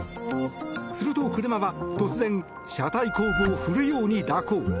すると車は突然車体後部を振るように蛇行。